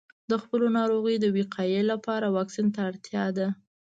د خپلو ناروغیو د وقایې لپاره واکسین ته اړتیا ده.